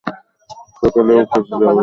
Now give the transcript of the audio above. সকালেও খোঁজা যাবে।